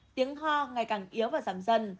tiếng hoa ngày càng yếu và giảm dần